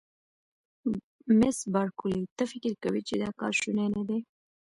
مس بارکلي: ته فکر کوې چې دا کار شونی نه دی؟